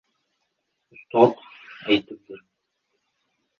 Ustod aytibdir: